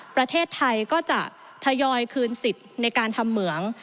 ประเทศไทยก็จะทยอยคืนสิทธิ์ในการทำเหมือง